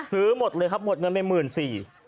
ซื้อหมดเลยครับหมดเงินไป๑๔๐๐บาท